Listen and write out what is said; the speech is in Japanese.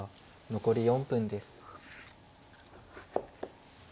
残り４分です。